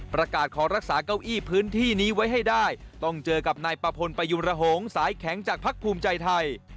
ประกาศขอรักษาเก้าอี้พื้นที่นี้ไว้ให้ได้ต้องเจอกับนายประพลประยุมระหงษ์สายแข็งจากพักภูมิใจไทย